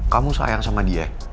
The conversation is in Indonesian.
kamu sayang sama dia